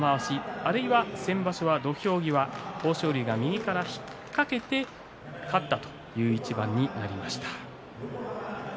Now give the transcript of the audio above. あるいは先場所は土俵際豊昇龍が右から引っ掛けて勝ったという一番になりました。